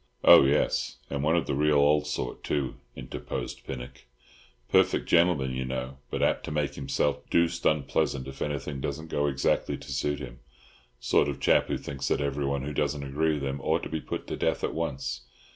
"Oh, yes, and one of the real old sort, too," interposed Pinnock, "perfect gentleman, you know, but apt to make himself deuced unpleasant if everything doesn't go exactly to suit him; sort of chap who thinks that everyone who doesn't agree with him ought to be put to death at once.